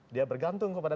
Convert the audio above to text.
dia bergantung kepada